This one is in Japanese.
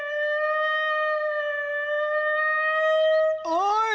おい！